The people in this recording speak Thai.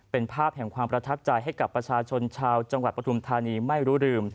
เป็นภาพแห่งความประทับใจให้กับประชาชนชาวจังหวัดปฐุมธานีไม่รู้ลืม